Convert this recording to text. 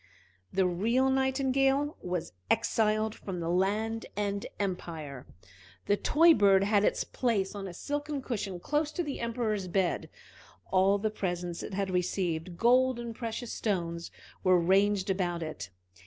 The real Nightingale was exiled from the land and empire. The toy bird had its place on a silken cushion close to the Emperor's bed. All the presents it had received, gold and precious stones, were ranged about it.